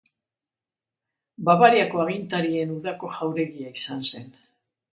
Bavariako agintarien udako jauregia izan zen.